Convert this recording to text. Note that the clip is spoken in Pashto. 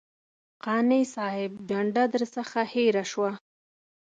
قانع صاحب جنډه درڅخه هېره شوه.